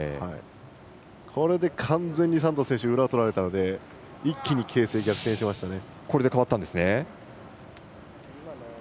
これで完全にサントス選手裏をとられたので一気に形勢逆転しましたね。